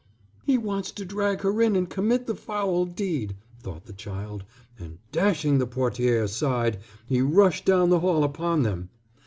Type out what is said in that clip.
"He wants to drag her in and commit the foul deed," though the child, and dashing the portière aside he rushed down the hall upon them.